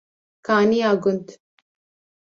Kaniya Gund